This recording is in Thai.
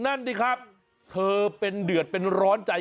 นั่นสิครับเธอเป็นเดือดเป็นร้อนใจ